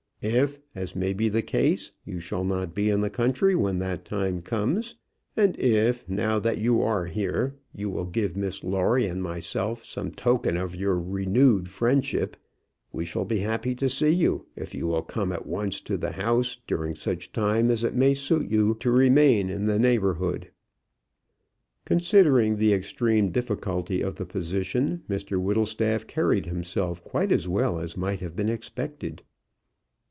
If, as may be the case, you shall not be in the country when that time comes; and if, now that you are here, you will give Miss Lawrie and myself some token of your renewed friendship, we shall be happy to see you if you will come at once to the house, during such time as it may suit you to remain in the neighbourhood." Considering the extreme difficulty of the position, Mr Whittlestaff carried himself quite as well as might have been expected.